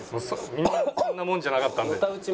みんなそんなもんじゃなかったんで。